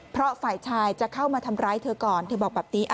เพราะฝ่ายชายจะเข้ามาทำร้ายเธอก่อนเธอบอกแบบนี้